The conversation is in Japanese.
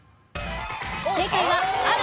正解はある。